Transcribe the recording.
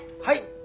はい。